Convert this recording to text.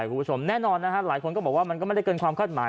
คุณผู้ชมแน่นอนนะฮะหลายคนก็บอกว่ามันก็ไม่ได้เกินความคาดหมาย